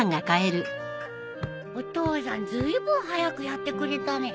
お父さんずいぶん早くやってくれたね。